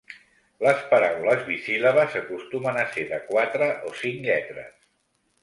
Les paraules bisíl·labes acostumen a ser de quatre o cinc lletres.